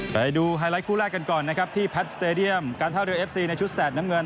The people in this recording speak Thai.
ไปดูไฮไลท์คู่แรกกันก่อนนะครับที่แพทย์สเตดียมการท่าเรือเอฟซีในชุดแสดน้ำเงิน